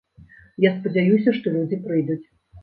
Я спадзяюся, што людзі прыйдуць.